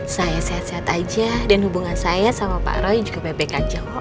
saya sehat sehat aja dan hubungan saya sama pak roy juga bebek aja